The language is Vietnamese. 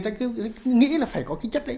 thì người ta cứ nghĩ là phải có cái chất đấy